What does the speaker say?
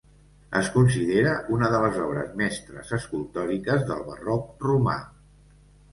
Es considera una de les obres mestres escultòriques del Barroc romà.